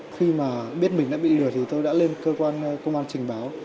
khi mà biết mình đã bị lừa thì tôi đã lên cơ quan công an trình báo